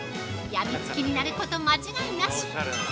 病みつきになること間違いなし！